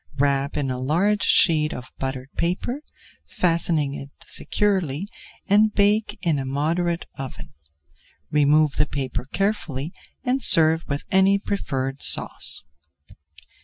Wrap in a large sheet of buttered paper, fastening it securely, and bake in a moderate oven. Remove the paper carefully and serve with any preferred sauce.